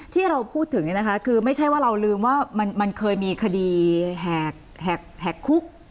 ที่เราพูดถึงคือไม่ใช่ว่าเราลืมว่ามันเคยมีคดีแหกคุก